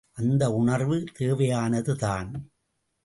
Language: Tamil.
அந்த உணர்வு தேவையானதுதான்.